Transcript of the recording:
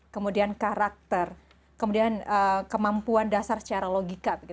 kemudian karakter kemudian kemampuan dasar secara logika